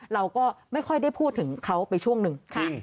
เราก็ไม่ค่อยได้พูดถึงเขาไปช่วงหนึ่ง